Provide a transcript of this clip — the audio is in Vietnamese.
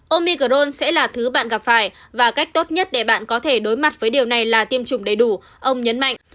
omicron sẽ là thứ bạn gặp phải và cách tốt nhất để bạn có thể đối mặt với điều này là tiêm chủng đầy đủ ông nhấn mạnh